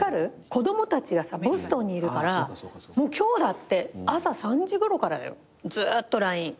子供たちがボストンにいるから今日だって朝３時ごろからだよずっとＬＩＮＥ。